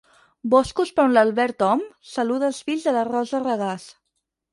Boscos per on l'Albert Om saluda els fills de la Rosa Regàs.